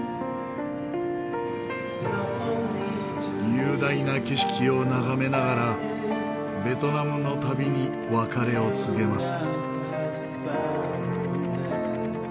雄大な景色を眺めながらベトナムの旅に別れを告げます。